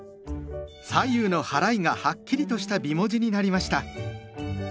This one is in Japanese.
左右のはらいがはっきりとした美文字になりました。